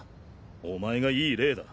お前がいい例だ。